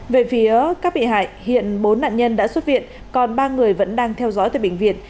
về phía các bị hại hiện bốn nạn nhân đã xuất viện còn ba người vẫn đang theo dõi tại bệnh viện